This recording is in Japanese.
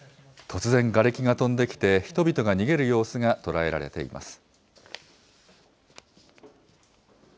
突然、がれきが飛んできて、人々が逃げる様子が捉えられています。